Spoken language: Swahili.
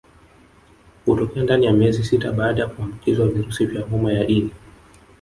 Hutokea ndani ya miezi sita baada kuambukizwa virusi vya homa ya ini